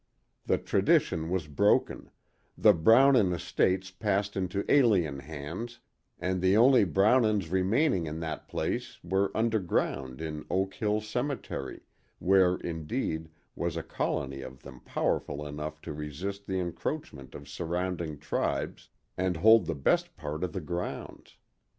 The tradition was broken, the Brownon estates passed into alien hands and the only Brownons remaining in that place were underground in Oak Hill Cemetery, where, indeed, was a colony of them powerful enough to resist the encroachment of surrounding tribes and hold the best part of the grounds.